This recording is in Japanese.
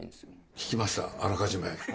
聞きました、あらかじめ。